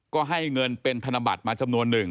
ก็ให้เงินเป็นธนบัตรมาจำนวนหนึ่ง